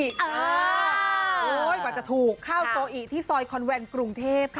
กว่าจะถูกข้าวโซอิที่ซอยคอนแวนกรุงเทพค่ะ